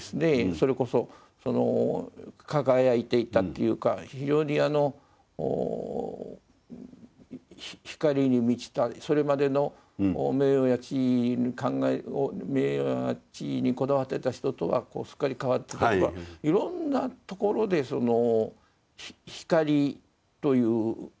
それこそその輝いていたっていうか非常にあの光に満ちたそれまでの名誉や地位にこだわってた人とはすっかり変わってたとかいろんなところでその光という世界